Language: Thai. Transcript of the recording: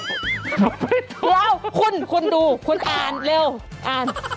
แล้วคุณคุณดูคุณอ่านเร็วอ่าน